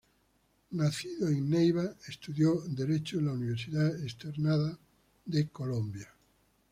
Nacido en Neiva, estudió derecho en la Universidad Externado de Colombia.